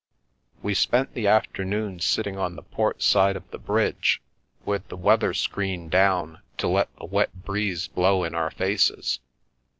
We spent the afternoon sitting on the port side of the bridge, with the weather screen down to let the wet breeze blow in our faces.